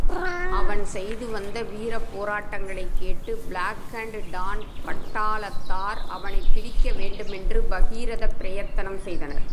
அவன் செய்துவந்த வீரப்போராட்டங்களைக் கேட்டுப் பிளாக் அன்டு டான் பட்டாளத்தார்.அவனைப்பிடிக்க வேண்டுமென்று பகீரதப் பிரயத்தனம் செய்தனர்.